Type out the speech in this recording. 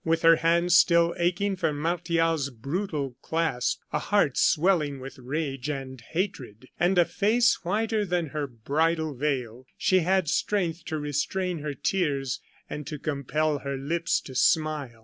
With her hand still aching from Martial's brutal clasp, a heart swelling with rage and hatred, and a face whiter than her bridal veil, she had strength to restrain her tears and to compel her lips to smile.